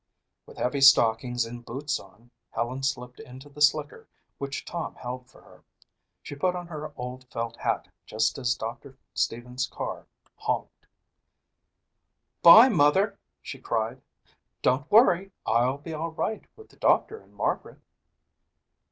With heavy stockings and boots on, Helen slipped into the slicker which Tom held for her. She put on her old felt hat just as Doctor Stevens' car honked. "Bye, Mother," she cried. "Don't worry. I'll be all right with the doctor and Margaret."